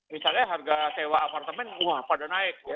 misalnya harga sewa apartemen wah pada naik ya